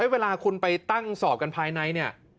เวลาคุณไปตั้งสอบกันภายใน